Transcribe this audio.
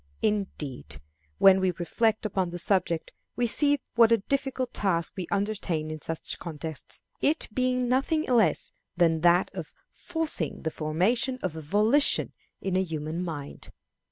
Indeed, when we reflect upon the subject, we see what a difficult task we undertake in such contests it being nothing less than that of forcing the formation of a volition in a human mind.